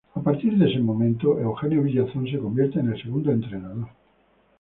A partir de este momento, Eugenio Villazón se convierte en el segundo entrenador.